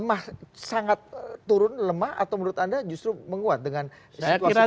apakah itu pun lemah atau menurut anda justru menguat dengan situasi politik tersebut